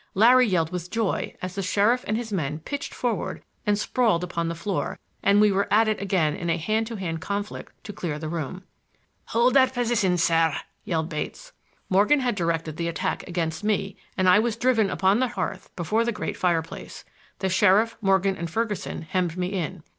Larry yelled with joy as the sheriff and his men pitched forward and sprawled upon the floor, and we were at it again in a hand to hand conflict to clear the room. "Hold that position, sir," yelled Bates. Morgan had directed the attack against me and I was driven upon the hearth before the great fireplace. The sheriff, Morgan and Ferguson hemmed me in.